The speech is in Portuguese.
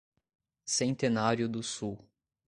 Centenário do Sul